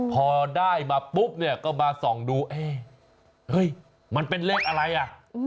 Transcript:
พอได้มาปุ๊บเนี่ยก็มาส่องดูเอ๊ะเฮ้ยมันเป็นเลขอะไรอ่ะ